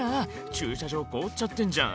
「駐車場凍っちゃってんじゃん」